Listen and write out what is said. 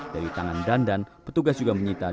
dari tangan dandan petugas juga menyita